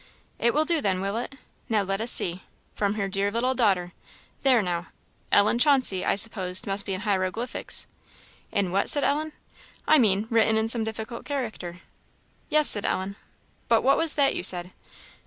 "It will do, then, will it? Now let us see 'From her dear little daughter' there; now, 'Ellen Chauncey,' I suppose, must be in hieroglyphics." "In what?" said Ellen. "I mean, written in some difficult character." "Yes," said Ellen. "But what was that you said?"